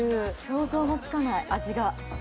想像もつかない味が。